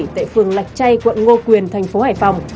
tại phường lạch chay quận ngô quyền thành phố hải phòng